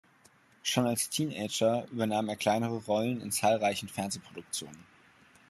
Schon als Teenager übernahm er kleinere Rollen in zahlreichen Fernsehproduktionen.